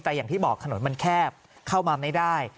แต่อย่างที่บอกถนนมันแคบเข้ามาไม่ได้